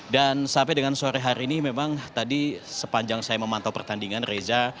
dan sampai dengan sore hari ini memang tadi sepanjang saya memantau pertandingan reza